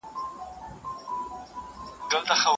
او د کلماتو ښکلا او پر ځای استعمال